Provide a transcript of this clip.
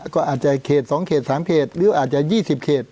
ก็อาจจะเขต๒เขต๓เขตหรืออาจจะ๒๐เขต